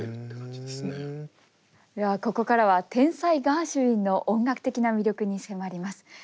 ではここからは天才ガーシュウィンの音楽的な魅力に迫ります。